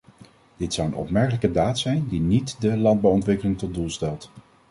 Dit zou een opmerkelijke daad zijn die niet de landbouwontwikkeling tot doel stelt.